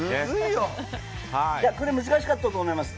これ難しかったと思います。